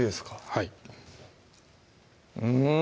はいうん！